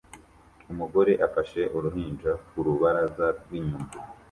Umugore afashe uruhinja ku rubaraza rw'inyuma